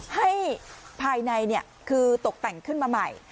ให้ภายในคือตกแต่งขึ้นมาใหม่